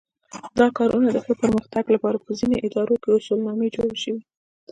د کارونو د ښه پرمختګ لپاره په ځینو ادارو کې اصولنامې جوړې شوې.